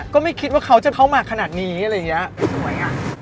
ก็ไม่คิดว่าเขาจะเข้ามาขนาดนี้อะไรอย่างนี้สวยอ่ะ